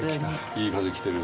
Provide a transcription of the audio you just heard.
いい風来てる。